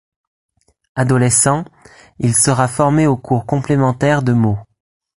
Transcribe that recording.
Adolescent, il sera formé au cours complémentaires de Meaux.